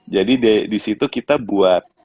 jadi disitu kita buat